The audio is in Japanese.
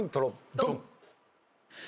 ドン！